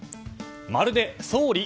まるで総理？